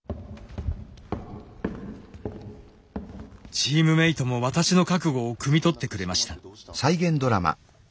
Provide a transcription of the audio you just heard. チームメートも私の覚悟をくみ取ってくれました。